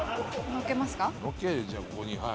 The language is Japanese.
載っけるじゃあここにはい。